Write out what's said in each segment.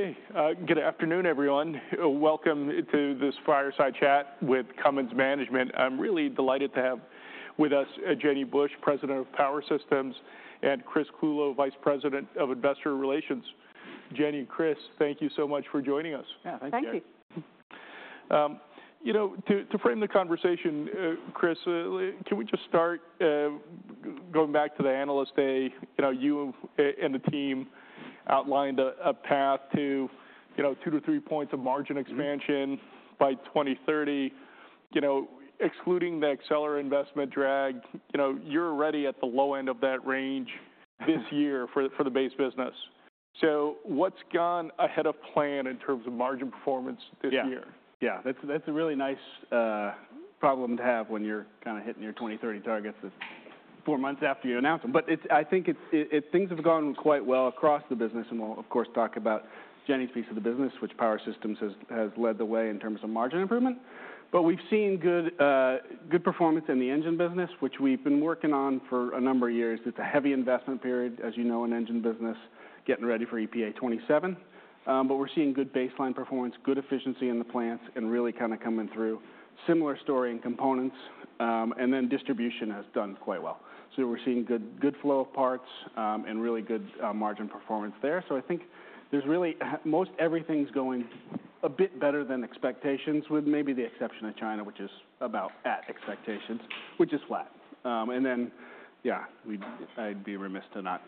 Okay. Good afternoon, everyone. Welcome to this fireside chat with Cummins Management. I'm really delighted to have with us Jenny Bush, President of Power Systems, and Chris Clulow, Vice President of Investor Relations. Jenny and Chris, thank you so much for joining us. Yeah, thank you. Thank you. You know, to frame the conversation, Chris, can we just start going back to the Analyst Day? You know, you and the team outlined a path to, you know, two to three points of margin expansion by 2030. You know, excluding the Accelera investment drag, you know, you're already at the low end of that range this year for the base business. So what's gone ahead of plan in terms of margin performance this year? Yeah, that's a really nice problem to have when you're kind of hitting your 2030 targets four months after you announce them. But I think things have gone quite well across the business. And we'll, of course, talk about Jenny's piece of the business, which Power Systems has led the way in terms of margin improvement. But we've seen good performance in the engine business, which we've been working on for a number of years. It's a heavy investment period, as you know, in engine business, getting ready for EPA '27. But we're seeing good baseline performance, good efficiency in the plants, and really kind of coming through similar story in components. And then distribution has done quite well. So we're seeing good flow of parts and really good margin performance there. So, I think there's really most everything's going a bit better than expectations, with maybe the exception of China, which is about at expectations, which is flat. And then, yeah, I'd be remiss to not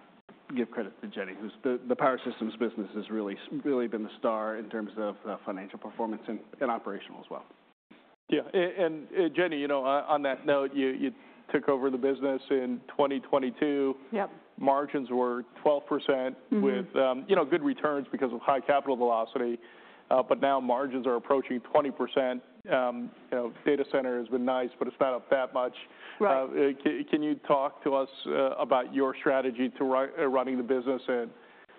give credit to Jenny, who's the Power Systems business has really been the star in terms of financial performance and operational as well. Yeah, and Jenny, you know, on that note, you took over the business in 2022. Yep. Margins were 12% with, you know, good returns because of high capital velocity, but now margins are approaching 20%. You know, data center has been nice, but it's not up that much. Right. Can you talk to us about your strategy to running the business and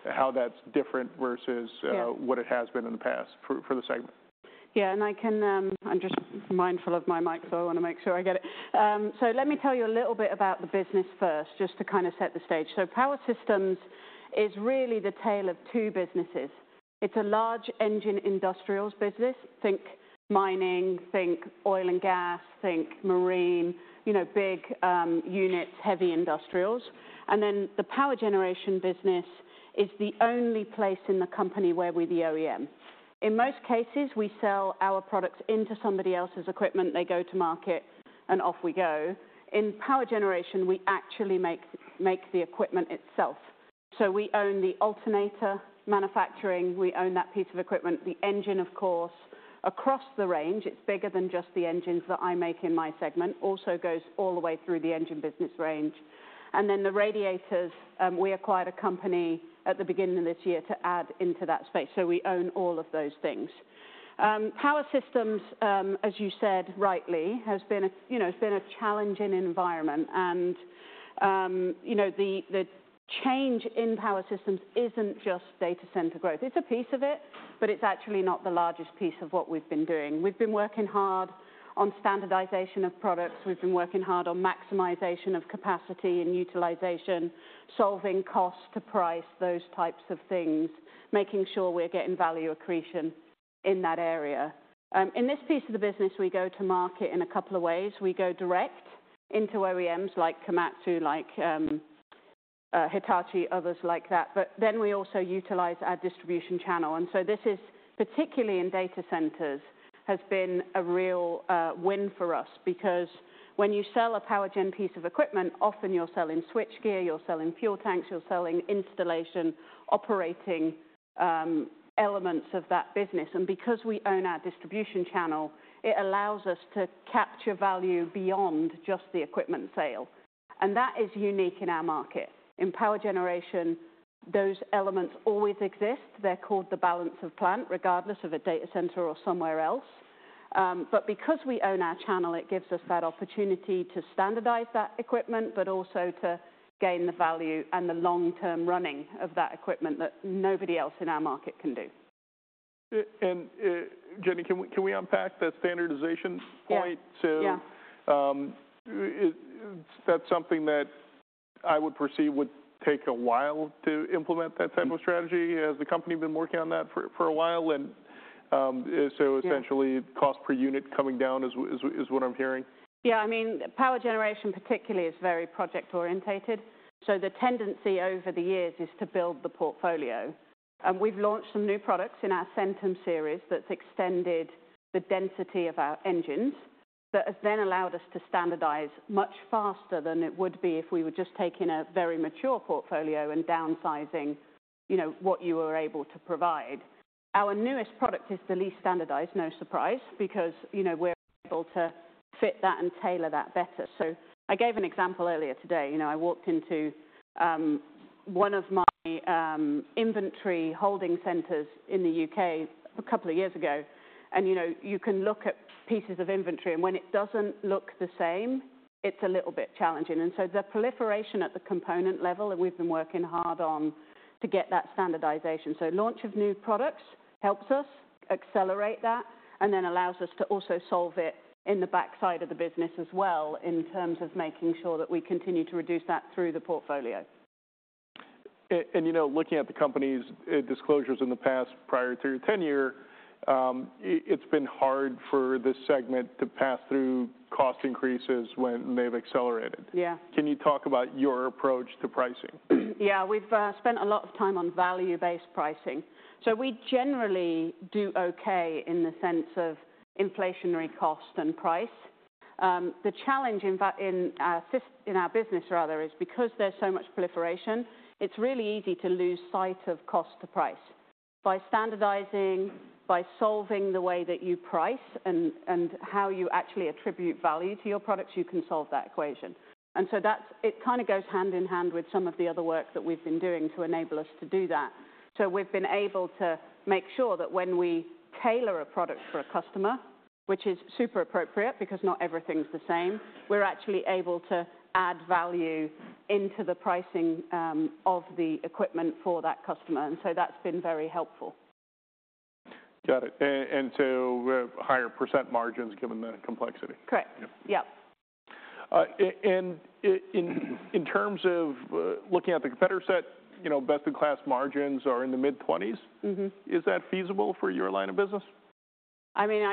how that's different versus what it has been in the past for the segment? Yeah. And I can. I'm just mindful of my mic, so I want to make sure I get it. So let me tell you a little bit about the business first, just to kind of set the stage. So Power Systems is really the tale of two businesses. It's a large engine industrials business. Think mining, think oil and gas, think marine, you know, big units, heavy industrials. And then the power generation business is the only place in the company where we're the OEM. In most cases, we sell our products into somebody else's equipment. They go to market, and off we go. In power generation, we actually make the equipment itself. So we own the alternator manufacturing. We own that piece of equipment, the engine, of course, across the range. It's bigger than just the engines that I make in my segment, also goes all the way through the engine business range, and then the radiators. We acquired a company at the beginning of this year to add into that space, so we own all of those things. Power Systems, as you said rightly, has been, you know, a challenging environment, and you know, the change in Power Systems isn't just data center growth. It's a piece of it, but it's actually not the largest piece of what we've been doing. We've been working hard on standardization of products. We've been working hard on maximization of capacity and utilization, solving cost to price, those types of things, making sure we're getting value accretion in that area. In this piece of the business, we go to market in a couple of ways. We go direct into OEMs like Komatsu, like Hitachi, others like that. But then we also utilize our distribution channel. And so this is particularly in data centers has been a real win for us because when you sell a Power Gen piece of equipment, often you're selling switchgear, you're selling fuel tanks, you're selling installation operating elements of that business. And because we own our distribution channel, it allows us to capture value beyond just the equipment sale. And that is unique in our market. In power generation, those elements always exist. They're called the balance of plant, regardless of a data center or somewhere else. But because we own our channel, it gives us that opportunity to standardize that equipment, but also to gain the value and the long-term running of that equipment that nobody else in our market can do. Jenny, can we unpack that standardization point? Yeah. So that's something that I would perceive would take a while to implement that type of strategy. Has the company been working on that for a while? And so essentially cost per unit coming down is what I'm hearing. Yeah. I mean, power generation particularly is very project oriented. So the tendency over the years is to build the portfolio. And we've launched some new products in our Centum Series that's extended the density of our engines that has then allowed us to standardize much faster than it would be if we were just taking a very mature portfolio and downsizing, you know, what you were able to provide. Our newest product is the least standardized, no surprise, because, you know, we're able to fit that and tailor that better. So I gave an example earlier today. You know, I walked into one of my inventory holding centers in the U.K. a couple of years ago. And, you know, you can look at pieces of inventory, and when it doesn't look the same, it's a little bit challenging. And so, the proliferation at the component level that we've been working hard on to get that standardization. So, the launch of new products helps us accelerate that and then allows us to also solve it in the backside of the business as well in terms of making sure that we continue to reduce that through the portfolio. You know, looking at the company's disclosures in the past prior to your tenure, it's been hard for this segment to pass through cost increases when they've accelerated. Yeah. Can you talk about your approach to pricing? Yeah. We've spent a lot of time on value-based pricing. So we generally do okay in the sense of inflationary cost and price. The challenge in our business, rather, is because there's so much proliferation, it's really easy to lose sight of cost to price. By standardizing, by solving the way that you price and how you actually attribute value to your products, you can solve that equation. And so that's, it kind of goes hand in hand with some of the other work that we've been doing to enable us to do that. So we've been able to make sure that when we tailor a product for a customer, which is super appropriate because not everything's the same, we're actually able to add value into the pricing of the equipment for that customer. And so that's been very helpful. Got it, and so higher percent margins given the complexity. Correct. Yep. In terms of looking at the competitor set, you know, best in class margins are in the mid-20s. Is that feasible for your line of business? I mean,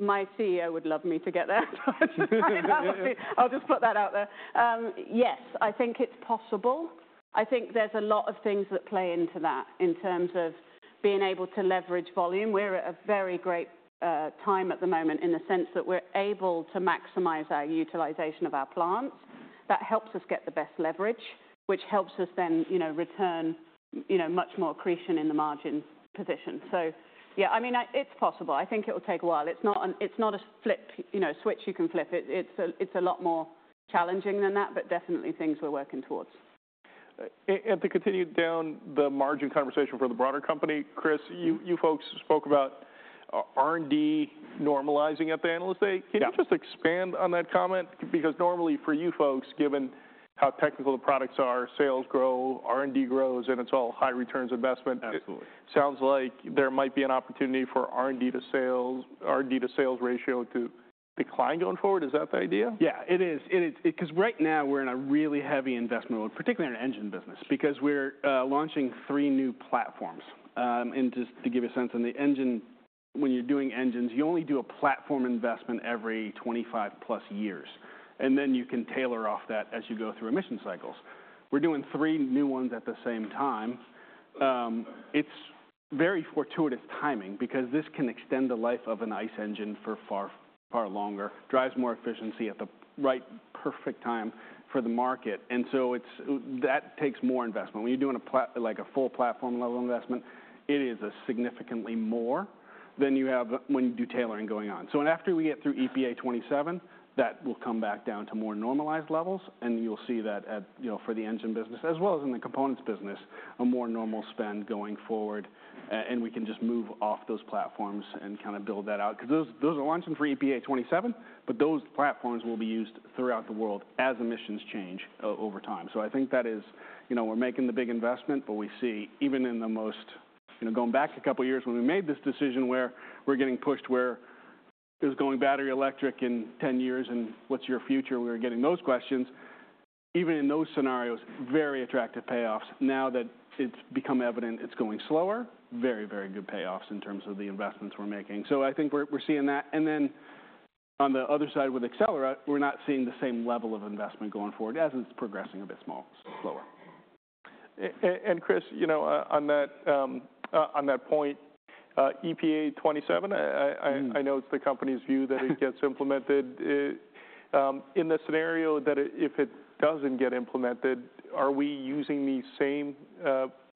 my CEO would love me to get there. I'll just put that out there. Yes, I think it's possible. I think there's a lot of things that play into that in terms of being able to leverage volume. We're at a very great time at the moment in the sense that we're able to maximize our utilization of our plants. That helps us get the best leverage, which helps us then, you know, return, you know, much more accretion in the margin position. So yeah, I mean, it's possible. I think it will take a while. It's not a flip, you know, switch you can flip. It's a lot more challenging than that, but definitely things we're working towards. To continue down the margin conversation for the broader company, Chris, you folks spoke about R&D normalizing at the Analyst Day. Can you just expand on that comment? Because normally for you folks, given how technical the products are, sales grow, R&D grows, and it's all high returns investment. Absolutely. Sounds like there might be an opportunity for R&D to sales, R&D to sales ratio to decline going forward. Is that the idea? Yeah, it is. Because right now we're in a really heavy investment, particularly in an engine business, because we're launching three new platforms. And just to give you a sense, in the engine, when you're doing engines, you only do a platform investment every 25 plus years. And then you can tailor off that as you go through emission cycles. We're doing three new ones at the same time. It's very fortuitous timing because this can extend the life of an ICE engine for far, far longer, drives more efficiency at the right perfect time for the market. And so that takes more investment. When you're doing a full platform level investment, it is significantly more than you have when you do tailoring going on. So after we get through EPA '27, that will come back down to more normalized levels. You'll see that for the engine business, as well as in the components business, a more normal spend going forward. We can just move off those platforms and kind of build that out. Because those are launching for EPA '27, but those platforms will be used throughout the world as emissions change over time. I think that is, you know, we're making the big investment, but we see even in the most, you know, going back a couple of years when we made this decision where we're getting pushed where it was going battery electric in 10 years and what's your future? We were getting those questions. Even in those scenarios, very attractive payoffs. Now that it's become evident it's going slower, very, very good payoffs in terms of the investments we're making. I think we're seeing that. Then on the other side with Accelera, we're not seeing the same level of investment going forward as it's progressing a bit smaller, slower. Chris, you know, on that point, EPA '27, I know it's the company's view that it gets implemented. In the scenario that if it doesn't get implemented, are we using these same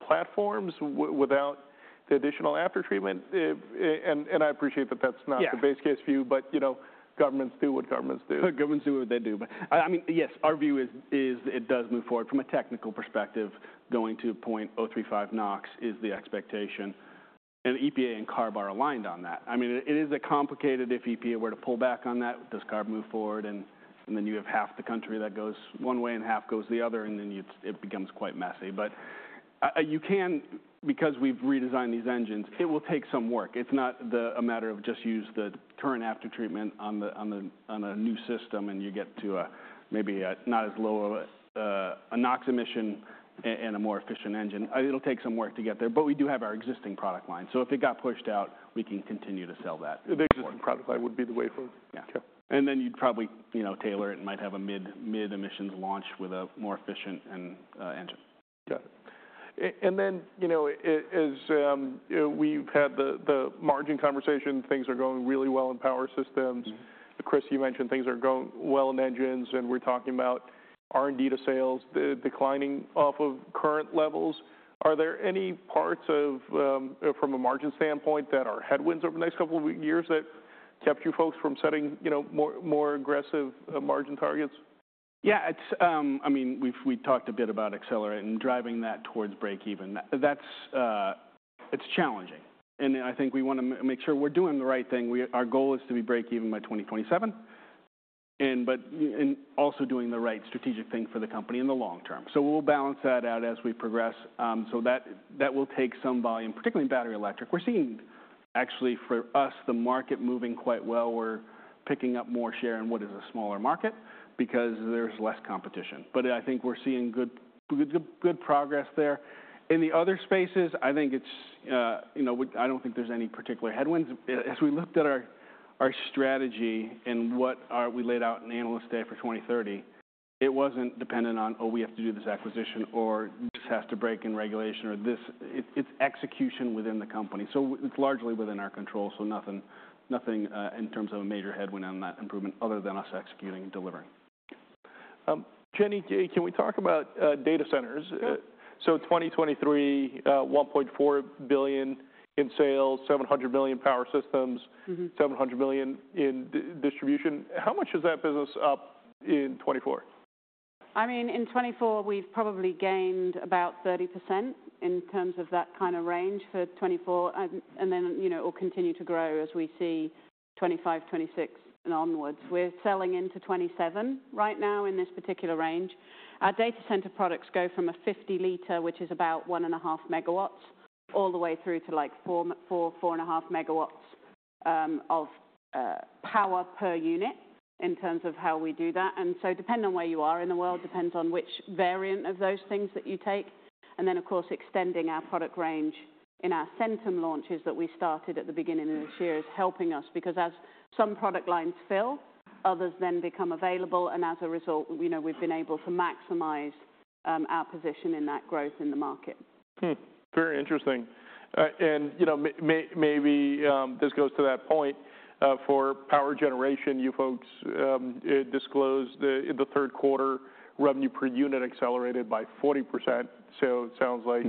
platforms without the additional aftertreatment? I appreciate that that's not the base case view, but, you know, governments do what governments do. Governments do what they do. But I mean, yes, our view is it does move forward from a technical perspective, going to 0.035 NOx is the expectation. And EPA and CARB are aligned on that. I mean, it is complicated if EPA were to pull back on that, does CARB move forward? And then you have half the country that goes one way and half goes the other, and then it becomes quite messy. But you can, because we've redesigned these engines, it will take some work. It's not a matter of just use the current aftertreatment on a new system and you get to maybe not as low of a NOx emission and a more efficient engine. It'll take some work to get there. But we do have our existing product line. So if it got pushed out, we can continue to sell that. The existing product line would be the way forward. Yeah, and then you'd probably, you know, tailor it and might have a mid-emissions launch with a more efficient engine. Got it. And then, you know, as we've had the margin conversation, things are going really well in Power Systems. Chris, you mentioned things are going well in Engines, and we're talking about R&D to sales declining off of current levels. Are there any parts of, from a margin standpoint, that are headwinds over the next couple of years that kept you folks from setting, you know, more aggressive margin targets? Yeah. I mean, we talked a bit about Accelera and driving that towards break-even. It's challenging, and I think we want to make sure we're doing the right thing. Our goal is to be break-even by 2027, but also doing the right strategic thing for the company in the long term, so we'll balance that out as we progress, so that will take some volume, particularly in battery electric. We're seeing actually for us, the market moving quite well. We're picking up more share in what is a smaller market because there's less competition, but I think we're seeing good progress there. In the other spaces, I think it's, you know, I don't think there's any particular headwinds. As we looked at our strategy and what we laid out in analyst day for 2030, it wasn't dependent on, oh, we have to do this acquisition or this has to break in regulation or this. It's execution within the company. So it's largely within our control. So nothing in terms of a major headwind on that improvement other than us executing and delivering. Jenny, can we talk about data centers? So 2023, $1.4 billion in sales, $700 million Power Systems, $700 million in distribution. How much is that business up in 2024? I mean, in 2024, we've probably gained about 30% in terms of that kind of range for 2024. And then, you know, it'll continue to grow as we see 2025, 2026 and onwards. We're selling into 2027 right now in this particular range. Our data center products go from a 50 liter, which is about one and a half megawatts, all the way through to like four, four and a half megawatts of power per unit in terms of how we do that. And so depending on where you are in the world, depends on which variant of those things that you take. And then, of course, extending our product range in our Centum launches that we started at the beginning of this year is helping us because as some product lines fill, others then become available. As a result, you know, we've been able to maximize our position in that growth in the market. Very interesting, and, you know, maybe this goes to that point for power generation, you folks disclosed the third quarter revenue per unit accelerated by 40%. So it sounds like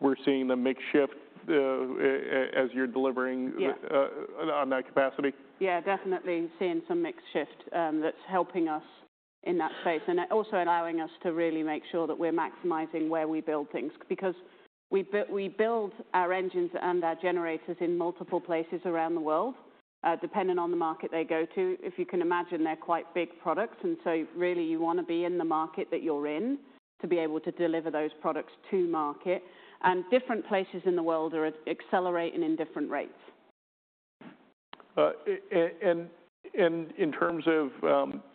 we're seeing the mix shift as you're delivering on that capacity. Yeah, definitely seeing some mix shift that's helping us in that space and also allowing us to really make sure that we're maximizing where we build things. Because we build our engines and our generators in multiple places around the world, depending on the market they go to. If you can imagine, they're quite big products. And so really you want to be in the market that you're in to be able to deliver those products to market. And different places in the world are accelerating in different rates. In terms of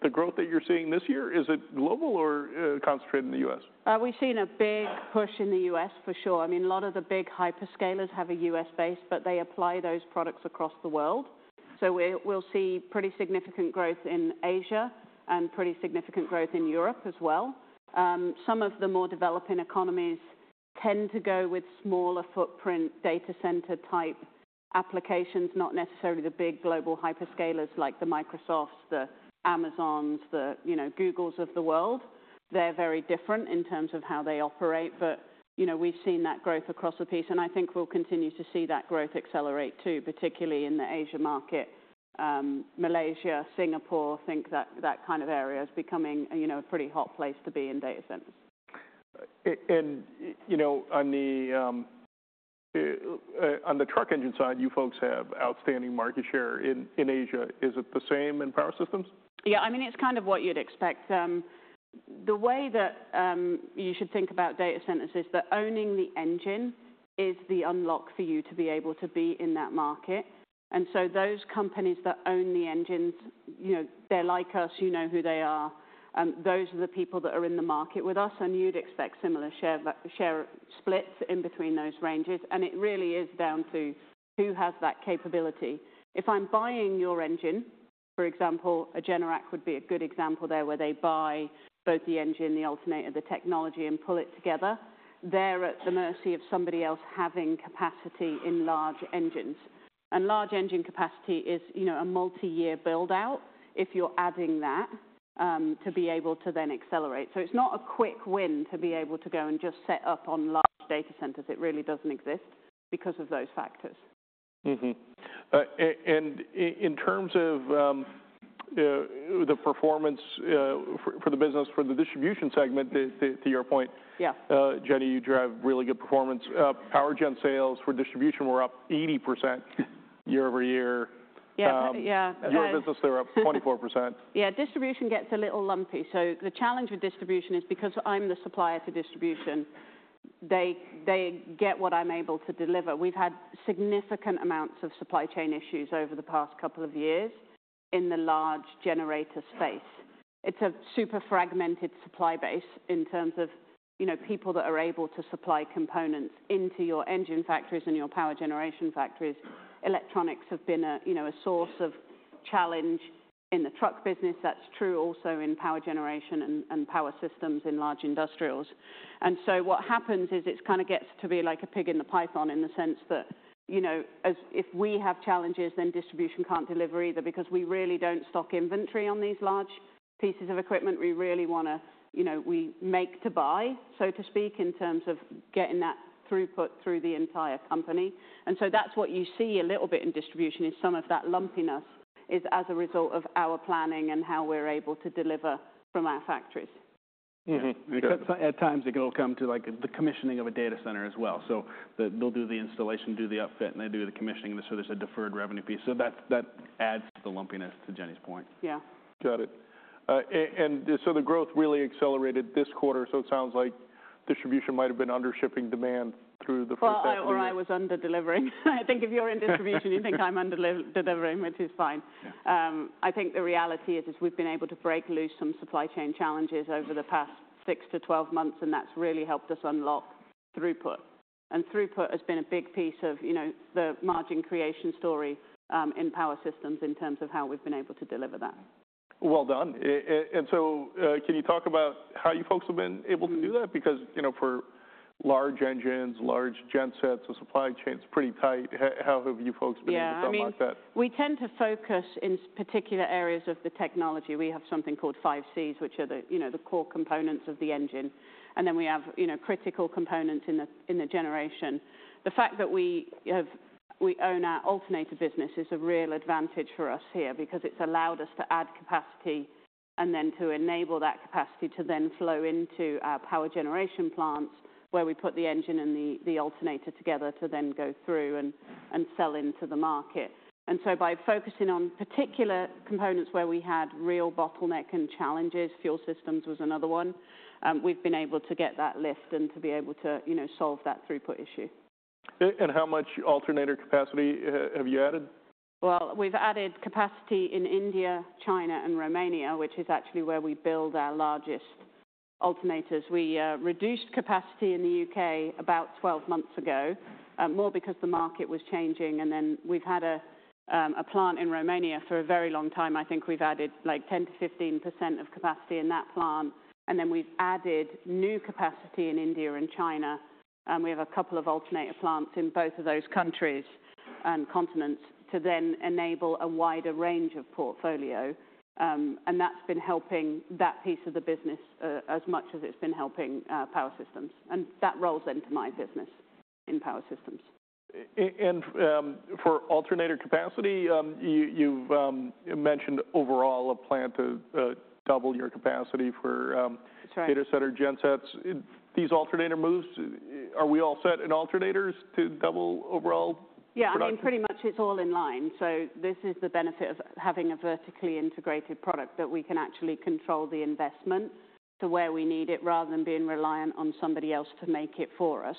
the growth that you're seeing this year, is it global or concentrated in the US? We've seen a big push in the U.S. for sure. I mean, a lot of the big hyperscalers have a U.S. base, but they apply those products across the world, so we'll see pretty significant growth in Asia and pretty significant growth in Europe as well. Some of the more developing economies tend to go with smaller footprint data center type applications, not necessarily the big global hyperscalers like the Microsofts, the Amazons, the, you know, Googles of the world. They're very different in terms of how they operate, but, you know, we've seen that growth across the piece, and I think we'll continue to see that growth accelerate too, particularly in the Asia market. Malaysia, Singapore, I think that kind of area is becoming, you know, a pretty hot place to be in data centers. You know, on the truck engine side, you folks have outstanding market share in Asia. Is it the same in Power Systems? Yeah. I mean, it's kind of what you'd expect. The way that you should think about data centers is that owning the engine is the unlock for you to be able to be in that market. And so those companies that own the engines, you know, they're like us, you know who they are. Those are the people that are in the market with us. And you'd expect similar share splits in between those ranges. And it really is down to who has that capability. If I'm buying your engine, for example, a Generac would be a good example there where they buy both the engine, the alternator, the technology, and pull it together. They're at the mercy of somebody else having capacity in large engines. And large engine capacity is, you know, a multi-year buildout if you're adding that to be able to then accelerate. So it's not a quick win to be able to go and just set up on large data centers. It really doesn't exist because of those factors. In terms of the performance for the business, for the distribution segment, to your point, Jenny, you drive really good performance. Power gen sales for distribution were up 80% year over year. Yeah, yeah. Your business, they're up 24%. Yeah, distribution gets a little lumpy. So the challenge with distribution is because I'm the supplier to distribution, they get what I'm able to deliver. We've had significant amounts of supply chain issues over the past couple of years in the large generator space. It's a super fragmented supply base in terms of, you know, people that are able to supply components into your engine factories and your power generation factories. Electronics have been a, you know, a source of challenge in the truck business. That's true also in power generation and Power Systems in large industrials. And so what happens is it kind of gets to be like a pig in the python in the sense that, you know, if we have challenges, then distribution can't deliver either because we really don't stock inventory on these large pieces of equipment. We really want to, you know, we make to buy, so to speak, in terms of getting that throughput through the entire company, and so that's what you see a little bit in distribution. Some of that lumpiness is as a result of our planning and how we're able to deliver from our factories. At times, it can all come to like the commissioning of a data center as well. So they'll do the installation, do the upfit, and they do the commissioning. So there's a deferred revenue piece. So that adds to the lumpiness to Jenny's point. Yeah. Got it. And so the growth really accelerated this quarter. So it sounds like distribution might have been under shipping demand through the first half of the year. Or I was under delivering. I think if you're in distribution, you think I'm under delivering, which is fine. I think the reality is we've been able to break loose some supply chain challenges over the past six to 12 months, and that's really helped us unlock throughput. And throughput has been a big piece of, you know, the margin creation story in Power Systems in terms of how we've been able to deliver that. Well done. And so can you talk about how you folks have been able to do that? Because, you know, for large engines, large gen sets, the supply chain is pretty tight. How have you folks been able to unlock that? Yeah, I mean, we tend to focus in particular areas of the technology. We have something called 5Cs, which are the, you know, the core components of the engine. And then we have, you know, critical components in the generation. The fact that we own our alternator business is a real advantage for us here because it's allowed us to add capacity and then to enable that capacity to then flow into our power generation plants where we put the engine and the alternator together to then go through and sell into the market. And so by focusing on particular components where we had real bottleneck and challenges, fuel systems was another one, we've been able to get that lift and to be able to, you know, solve that throughput issue. How much alternator capacity have you added? Well, we've added capacity in India, China, and Romania, which is actually where we build our largest alternators. We reduced capacity in the UK about 12 months ago, more because the market was changing. And then we've had a plant in Romania for a very long time. I think we've added like 10%-15% of capacity in that plant. And then we've added new capacity in India and China. And we have a couple of alternator plants in both of those countries and continents to then enable a wider range of portfolio. And that's been helping that piece of the business as much as it's been helping Power Systems. And that rolls into my business in Power Systems. And for alternator capacity, you've mentioned overall a plan to double your capacity for data center gen sets. These alternator moves, are we all set in alternators to double overall production? Yeah, I mean, pretty much it's all in line. So this is the benefit of having a vertically integrated product that we can actually control the investment to where we need it rather than being reliant on somebody else to make it for us.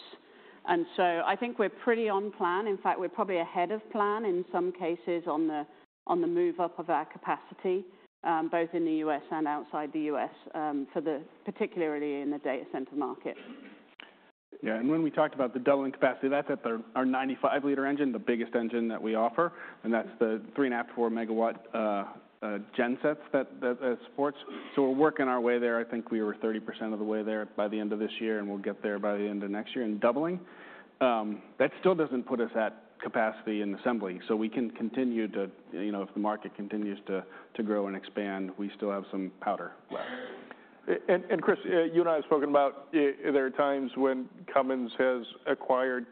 And so I think we're pretty on plan. In fact, we're probably ahead of plan in some cases on the move up of our capacity, both in the U.S. and outside the U.S., particularly in the data center market. Yeah. And when we talked about the doubling capacity, that's at our 95-liter engine, the biggest engine that we offer. And that's the 3.5-4 megawatt gensets that it supports. So we're working our way there. I think we were 30% of the way there by the end of this year, and we'll get there by the end of next year and doubling. That still doesn't put us at capacity in assembly. So we can continue to, you know, if the market continues to grow and expand, we still have some powder left. Chris, you and I have spoken about there are times when Cummins has acquired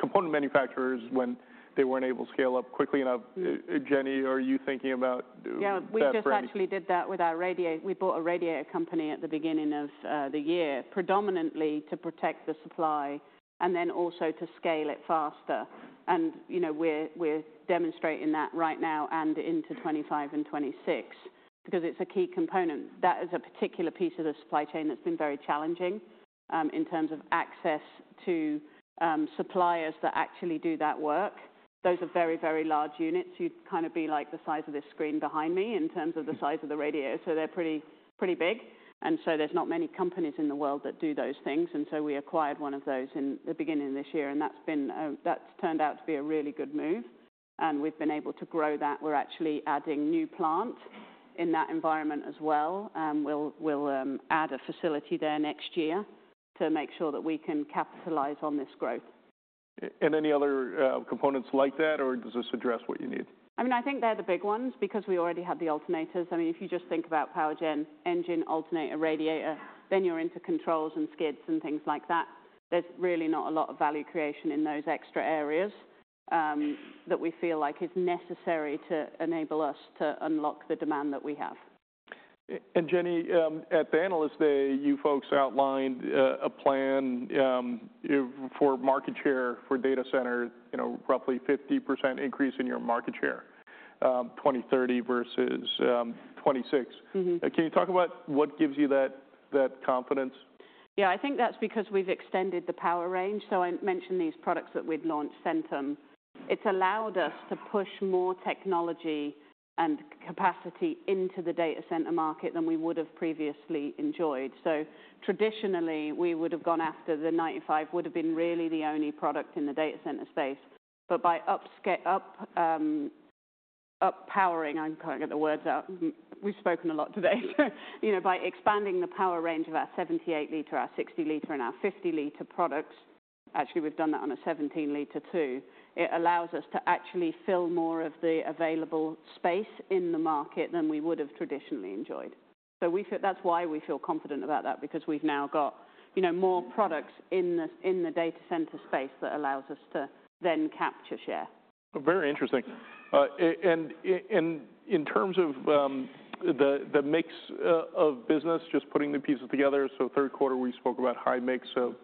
component manufacturers when they weren't able to scale up quickly enough. Jenny, are you thinking about that spread? Yeah, we just actually did that with our radiator. We bought a radiator company at the beginning of the year predominantly to protect the supply and then also to scale it faster. And, you know, we're demonstrating that right now and into 2025 and 2026 because it's a key component. That is a particular piece of the supply chain that's been very challenging in terms of access to suppliers that actually do that work. Those are very, very large units. You'd kind of be like the size of this screen behind me in terms of the size of the radiator. So they're pretty big. And so there's not many companies in the world that do those things. And so we acquired one of those in the beginning of this year. And that's turned out to be a really good move. And we've been able to grow that. We're actually adding new plants in that environment as well. We'll add a facility there next year to make sure that we can capitalize on this growth. And any other components like that, or does this address what you need? I mean, I think they're the big ones because we already have the alternators. I mean, if you just think about power gen, engine, alternator, radiator, then you're into controls and skids and things like that. There's really not a lot of value creation in those extra areas that we feel like is necessary to enable us to unlock the demand that we have. Jenny, at the analyst day, you folks outlined a plan for market share for data center, you know, roughly 50% increase in your market share, 2030 versus 2026. Can you talk about what gives you that confidence? Yeah, I think that's because we've extended the power range. So I mentioned these products that we'd launched, Centum. It's allowed us to push more technology and capacity into the data center market than we would have previously enjoyed. So traditionally, we would have gone after the 95 would have been really the only product in the data center space. But by uppowering, I'm kind of getting the words out. We've spoken a lot today. So, you know, by expanding the power range of our 78-liter, our 60-liter, and our 50-liter products, actually we've done that on a 17-liter too. It allows us to actually fill more of the available space in the market than we would have traditionally enjoyed. So that's why we feel confident about that because we've now got, you know, more products in the data center space that allows us to then capture share. Very interesting and in terms of the mix of business, just putting the pieces together, so third quarter, we spoke about high mix of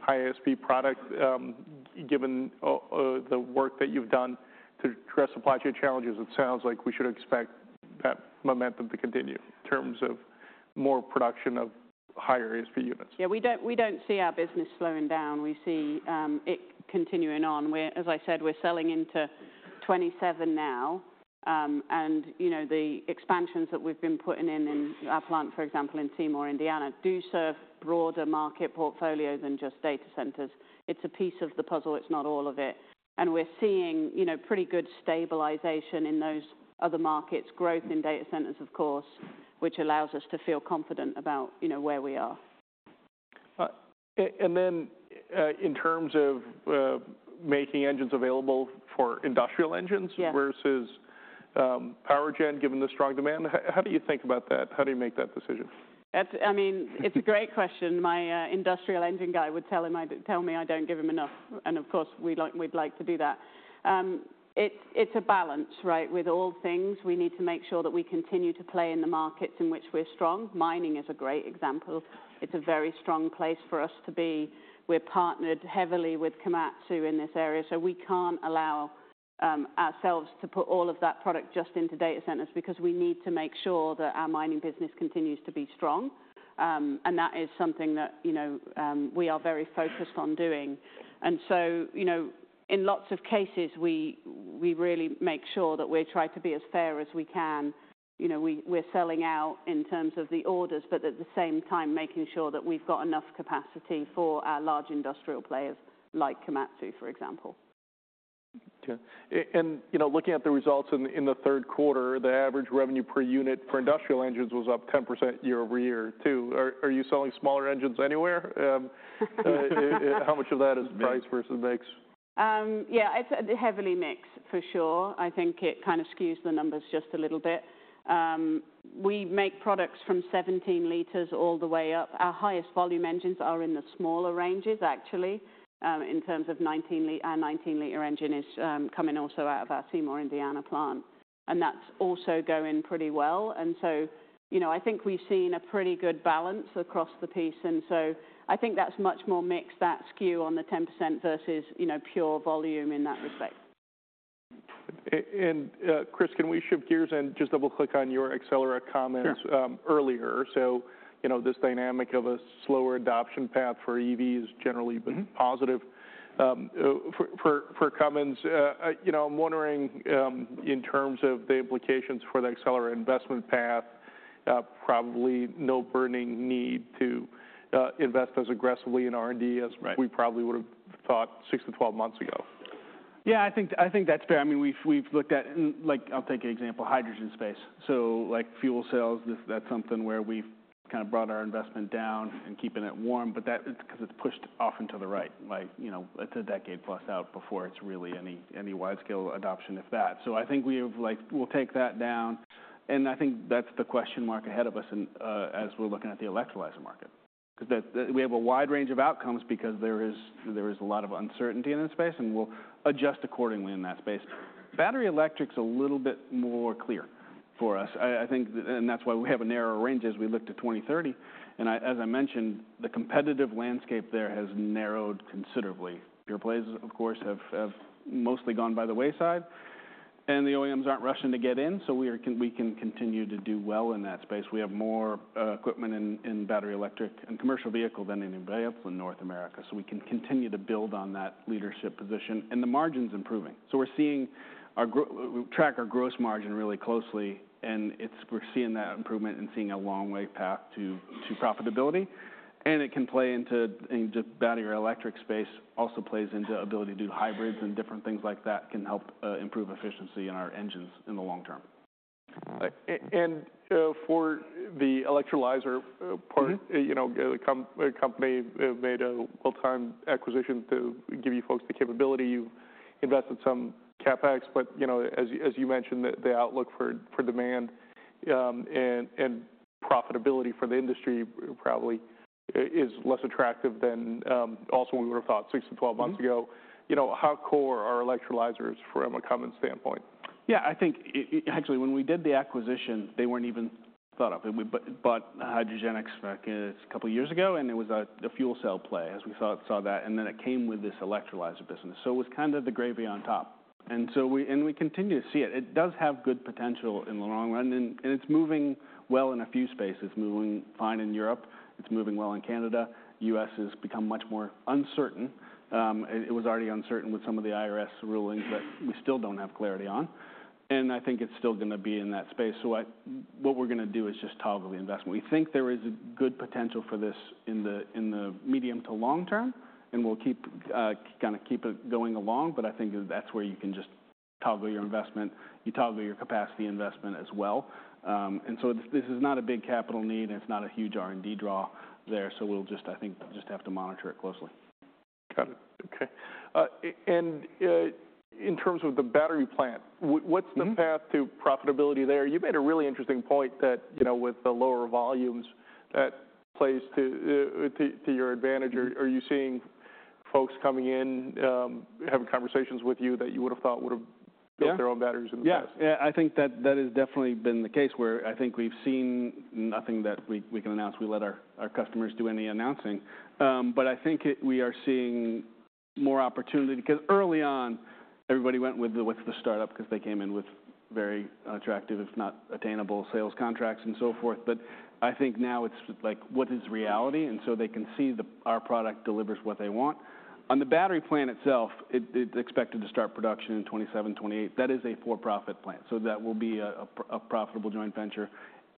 high ASP product. Given the work that you've done to address supply chain challenges, it sounds like we should expect that momentum to continue in terms of more production of higher ASP units. Yeah, we don't see our business slowing down. We see it continuing on. As I said, we're selling into 2027 now, and, you know, the expansions that we've been putting in our plant, for example, in Seymour, Indiana, do serve a broader market portfolio than just data centers. It's a piece of the puzzle. It's not all of it, and we're seeing, you know, pretty good stabilization in those other markets, growth in data centers, of course, which allows us to feel confident about, you know, where we are. And then in terms of making engines available for industrial engines versus power gen, given the strong demand, how do you think about that? How do you make that decision? I mean, it's a great question. My industrial engine guy would tell me I don't give him enough, and of course, we'd like to do that. It's a balance, right, with all things. We need to make sure that we continue to play in the markets in which we're strong. Mining is a great example. It's a very strong place for us to be. We're partnered heavily with Komatsu in this area, so we can't allow ourselves to put all of that product just into data centers because we need to make sure that our mining business continues to be strong, and that is something that, you know, we are very focused on doing, and so, you know, in lots of cases, we really make sure that we try to be as fair as we can. You know, we're selling out in terms of the orders, but at the same time, making sure that we've got enough capacity for our large industrial players like Komatsu, for example. You know, looking at the results in the third quarter, the average revenue per unit for industrial engines was up 10% year over year too. Are you selling smaller engines anywhere? How much of that is price versus mix? Yeah, it's heavily mixed for sure. I think it kind of skews the numbers just a little bit. We make products from 17 liters all the way up. Our highest volume engines are in the smaller ranges, actually, in terms of our 19-liter engine, which is coming also out of our Seymour, Indiana plant, and that's also going pretty well. And so, you know, I think we've seen a pretty good balance across the board. And so I think that's much more mixed, that skew on the 10% versus, you know, pure volume in that respect. And Chris, can we shift gears and just double-click on your Accelera comments earlier? So, you know, this dynamic of a slower adoption path for EVs generally been positive for Cummins. You know, I'm wondering in terms of the implications for the Accelera investment path, probably no burning need to invest as aggressively in R&D as we probably would have thought 6 to 12 months ago. Yeah, I think that's fair. I mean, we've looked at, like, I'll take an example, hydrogen space. So like fuel cells, that's something where we've kind of brought our investment down and keeping it warm, but that's because it's pushed off to the right. Like, you know, it's a decade plus out before it's really any wide-scale adoption, if that. So I think we'll take that down. And I think that's the question mark ahead of us as we're looking at the electrolyzer market because we have a wide range of outcomes because there is a lot of uncertainty in the space, and we'll adjust accordingly in that space. Battery electric is a little bit more clear for us, I think, and that's why we have a narrower range as we look to 2030. And as I mentioned, the competitive landscape there has narrowed considerably. Pure plays, of course, have mostly gone by the wayside. The OEMs aren't rushing to get in, so we can continue to do well in that space. We have more equipment in battery electric and commercial vehicle than anybody else in North America. We can continue to build on that leadership position. The margin's improving. We're tracking our gross margin really closely, and we're seeing that improvement and seeing a long path to profitability. It can play into the battery electric space, also plays into the ability to do hybrids and different things like that can help improve efficiency in our engines in the long term. And for the electrolyzer part, you know, the company made a well-timed acquisition to give you folks the capability. You invested some CapEx, but, you know, as you mentioned, the outlook for demand and profitability for the industry probably is less attractive than also we would have thought 6 to 12 months ago. You know, how core are electrolyzers from a Cummins standpoint? Yeah, I think actually when we did the acquisition, they weren't even thought of. We bought Hydrogenics a couple of years ago, and it was a fuel cell play as we saw that. And then it came with this electrolyzer business. So it was kind of the gravy on top. And so we continue to see it. It does have good potential in the long run, and it's moving well in a few spaces. It's moving fine in Europe. It's moving well in Canada. The U.S. has become much more uncertain. It was already uncertain with some of the IRS rulings that we still don't have clarity on. And I think it's still going to be in that space. So what we're going to do is just toggle the investment. We think there is good potential for this in the medium to long term, and we'll kind of keep it going along, but I think that's where you can just toggle your investment. You toggle your capacity investment as well, and so this is not a big capital need, and it's not a huge R&D draw there, so we'll just, I think, just have to monitor it closely. Got it. Okay. And in terms of the battery plant, what's the path to profitability there? You made a really interesting point that, you know, with the lower volumes, that plays to your advantage. Are you seeing folks coming in, having conversations with you that you would have thought would have built their own batteries in the past? Yeah, I think that that has definitely been the case where I think we've seen nothing that we can announce. We let our customers do any announcing. But I think we are seeing more opportunity because early on, everybody went with the startup because they came in with very attractive, if not attainable, sales contracts and so forth. But I think now it's like, what is reality? And so they can see our product delivers what they want. On the battery plant itself, it's expected to start production in 2027, 2028. That is a for-profit plant. So that will be a profitable joint venture.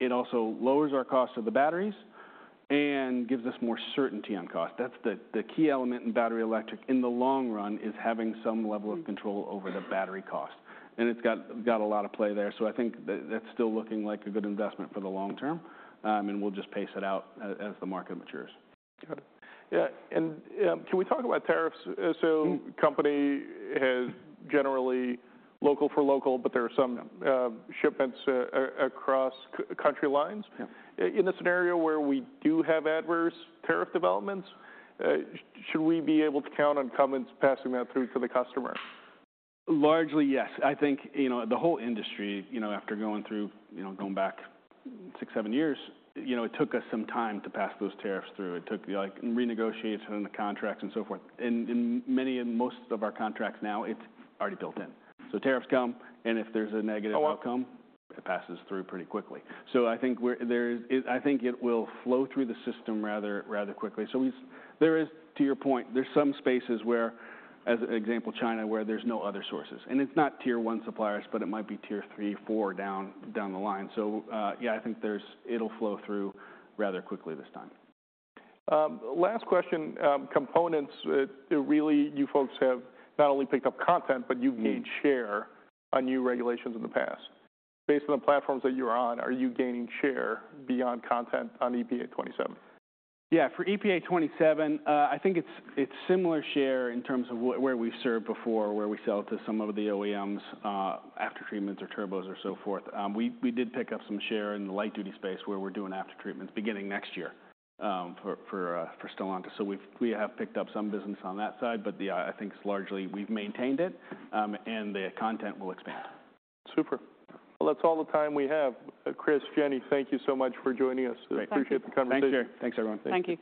It also lowers our cost of the batteries and gives us more certainty on cost. That's the key element in battery electric in the long run is having some level of control over the battery cost, and it's got a lot of play there. So I think that's still looking like a good investment for the long term. And we'll just pace it out as the market matures. Got it. Yeah. And can we talk about tariffs? So the company has generally local for local, but there are some shipments across country lines. In a scenario where we do have adverse tariff developments, should we be able to count on Cummins passing that through to the customer? Largely, yes. I think, you know, the whole industry, you know, after going through, you know, going back six, seven years, you know, it took us some time to pass those tariffs through. It took like renegotiation of the contracts and so forth, and in many and most of our contracts now, it's already built in, so tariffs come, and if there's a negative outcome, it passes through pretty quickly, so I think it will flow through the system rather quickly, so there is, to your point, there's some spaces where, as an example, China, where there's no other sources, and it's not tier one suppliers, but it might be tier three, four down the line, so yeah, I think it'll flow through rather quickly this time. Last question. Components, really, you folks have not only picked up content, but you've gained share on new regulations in the past. Based on the platforms that you're on, are you gaining share beyond content on EPA '27? Yeah, for EPA '27, I think it's similar share in terms of where we served before, where we sell to some of the OEMs aftertreatment or turbos or so forth. We did pick up some share in the light-duty space where we're doing aftertreatment beginning next year for Stellantis. So we have picked up some business on that side, but yeah, I think it's largely we've maintained it, and the content will expand. Super. Well, that's all the time we have. Chris, Jenny, thank you so much for joining us. Appreciate the conversation. Thanks, Jerry. Thanks, everyone. Thanks.